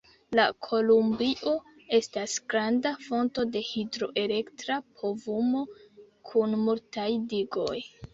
La Kolumbio estas granda fonto de hidroelektra povumo, kun multaj digoj.